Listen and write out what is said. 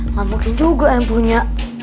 gak mungkin juga yang punya